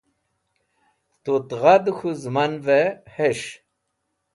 Tut gha dẽ k̃hũ zẽmanvẽ hes̃h.